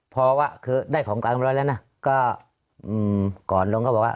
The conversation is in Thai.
พอคือได้ของการเรียบร้อยแล้วนะก่อนลงก็บอกว่า